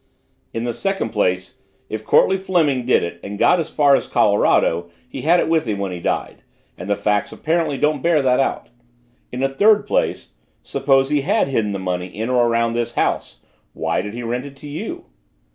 In the second place, if Courtleigh Fleming did it and got as far as Colorado, he had it with him when he died, and the facts apparently don't bear that out. In the third place, suppose he had hidden the money in or around this house. Why did he rent it to you?"